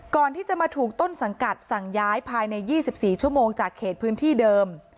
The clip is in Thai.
ก่อนที่จะมาถูกต้นสังกัดสั่งย้ายภายใน๒๔ชั่วโมงจากเขตพื้นที่เดิม